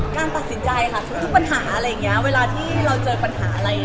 การตัดสินใจค่ะทุกปัญหาอะไรอย่างนี้เวลาที่เราเจอปัญหาอะไร